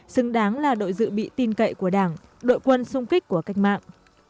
xứng đáng là đội dự bị tin cậy của đảng đội quân xung kích của cách mạng